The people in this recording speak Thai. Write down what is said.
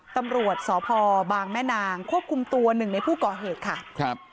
ตำรวจสพบางแม่นางควบคุมตัวหนึ่งในผู้ก่อเหตุค่ะครับ